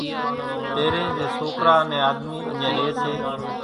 تيرين زين سوڪرا انين آۮمي اوڃان رئي سي۔